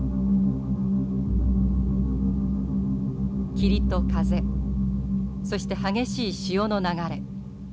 霧と風そして激しい潮の流れ。